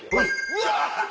うわ！